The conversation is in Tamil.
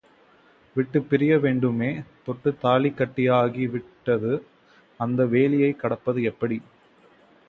விட்டுப்பிரிய வேண்டுமே தொட்டுத் தாலி கட்டியாகி விட்டது அந்த வேலியைக் கடப்பது எப்படி?